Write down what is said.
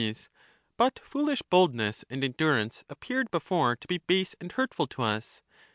But foolish boldness and endurance appeared before to be base and hurtful to us.